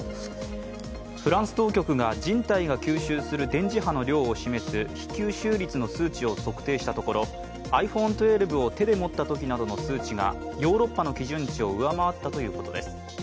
フランス当局が人体が吸収する電磁波の量を示す比吸収率の数値を測定してところ、ｉＰｈｏｎｅ１２を手で持ったときなどの数値がヨーロッパの基準値を上回ったということです